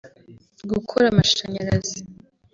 gukora amashanyarazi